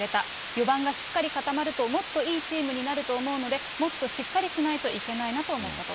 ４番がしっかり固まるともっといいチームになると思うので、もっとしっかりしないといけないなと思ったと。